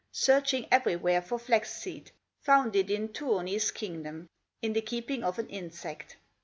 Searching everywhere for flax seed, Found it in Tuoni's kingdom, In the keeping of an insect.